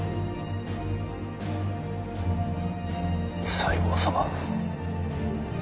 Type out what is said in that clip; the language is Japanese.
西郷様。